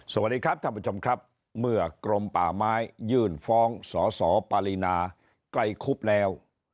สวัสดีครับท่านผู้ชมครับเมื่อกรมป่าไม้ยื่นฟ้องสสปารีนาใกล้คุบแล้ว